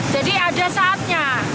jadi ada saatnya